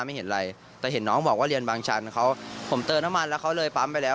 ไม่เห็นอะไรแต่เห็นน้องบอกว่าเรียนบางชั้นเขาผมเติมน้ำมันแล้วเขาเลยปั๊มไปแล้ว